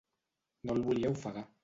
No el volia ofegar.